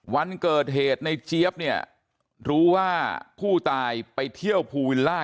วันเกิดเหตุในเจี๊ยบเนี่ยรู้ว่าผู้ตายไปเที่ยวภูวิลล่า